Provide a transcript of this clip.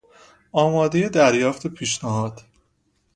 آماده دریافت پیشنهاد